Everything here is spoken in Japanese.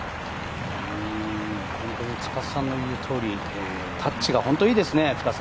本当に司さんの言うとおり、タッチが調子いいですね。